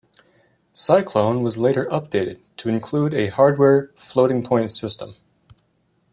Cyclone was later updated to include a hardware floating point system.